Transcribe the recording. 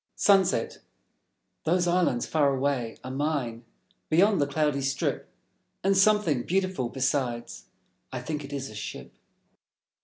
Sunset Those islands far away are mine, Beyond the cloudy strip; And something beautiful, besides: I think it is a Ship.